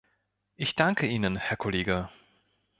Ich danke Ihnen, Herr Kollege.